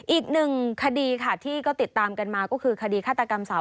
อีกหนึ่งคดีค่ะที่ก็ติดตามกันมาก็คือคดีฆาตกรรมสาว